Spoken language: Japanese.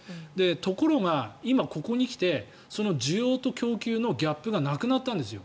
ところが、今ここに来てその需要と供給のギャップがなくなったんですよ。